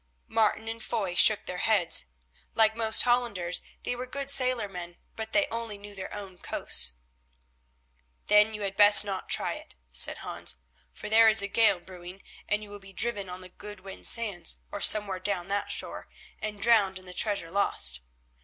Martin and Foy shook their heads. Like most Hollanders they were good sailormen, but they only knew their own coasts. "Then you had best not try it," said Hans, "for there is a gale brewing, and you will be driven on the Goodwin Sands, or somewhere down that shore, and drowned and the treasure lost.